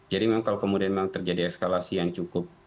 jadi memang kalau kemudian terjadi eskalasi yang cukup